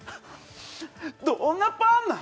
どんなパンなん？